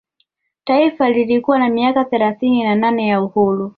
Taifa lilikuwa na miaka thelathini na nane ya uhuru